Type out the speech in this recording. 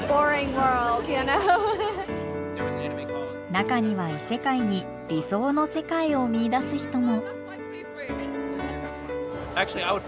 中には異世界に理想の世界を見いだす人も。